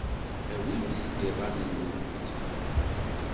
Awimt-d iḍan-nwent.